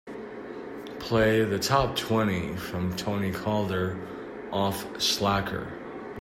Play the top-twenty from Tony Calder off Slacker.